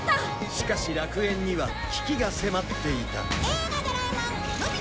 しかし楽園には危機が迫っていた